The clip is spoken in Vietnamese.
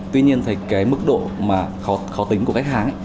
tuy nhiên mức độ khó tính của khách hàng